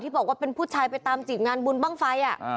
บอกว่าเป็นผู้ชายไปตามจีบงานบุญบ้างไฟ